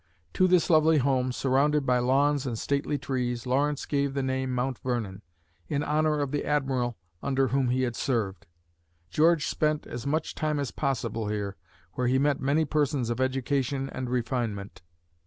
To this lovely home, surrounded by lawns and stately trees, Lawrence gave the name Mount Vernon, in honor of the Admiral under whom he had served. George spent as much time as possible here, where he met many persons of education and refinement.